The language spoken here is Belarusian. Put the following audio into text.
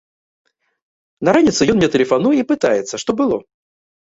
На раніцу ён мне тэлефануе і пытаецца, што было.